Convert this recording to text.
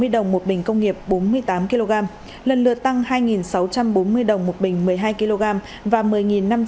một tám trăm bốn mươi hai bảy trăm sáu mươi đồng một bình công nghiệp bốn mươi tám kg lần lượt tăng hai sáu trăm bốn mươi đồng một bình một mươi hai kg và một mươi năm trăm sáu mươi đồng